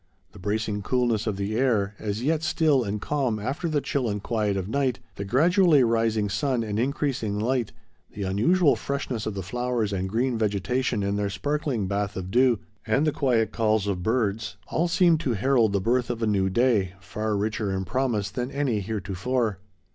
The bracing coolness of the air, as yet still and calm after the chill and quiet of night, the gradually rising sun and increasing light, the unusual freshness of the flowers and green vegetation, in their sparkling bath of dew, and the quiet calls of birds,—all seemed to herald the birth of a new day, far richer in promise than any heretofore.